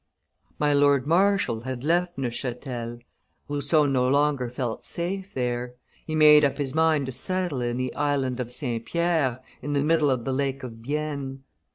My lord Marshal had left Neuchatel; Rousseau no longer felt safe there; he made up his mind to settle in the Island of St. Pierre, in the middle of the Lake of Bienne.